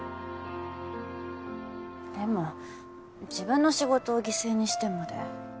でも自分の仕事を犠牲にしてまで。